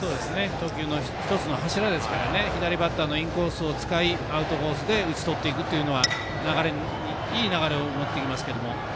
投球の１つの柱ですからね左バッターのインコースを使いアウトコースで打ち取っていくというのはいい流れを持っていきますけど。